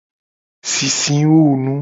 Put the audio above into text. Sisiwunu.